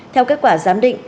theo kết quả giám định